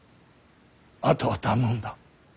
あとは頼んだ。